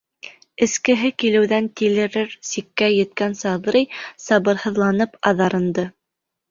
Эскеһе килеүҙән тилерер сиккә еткән Саҙрый сабырһыҙланып аҙарынды: